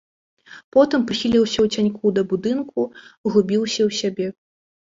Потым прыхіліўся ў цяньку да будынку, углыбіўся ў сябе.